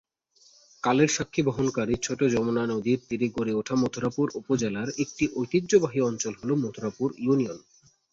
কালের স্বাক্ষী বহন কারী ছোট যমুনা নদীর তীরে গড়ে উঠা মথুরাপুর উপজেলার একটি ঐতিহ্যবাহী অঞ্চল হল মথুরাপুর ইউনিয়ন।